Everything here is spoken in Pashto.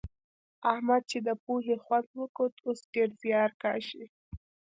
احمد چې د پوهې خوند وکوت؛ اوس ډېر زيار کاږي.